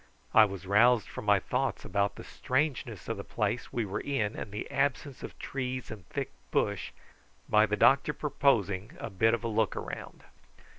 I was roused from my thoughts about the strangeness of the place we were in and the absence of trees and thick bush by the doctor proposing a bit of a look round.